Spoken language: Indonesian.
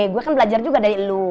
gue kan belajar juga dari lu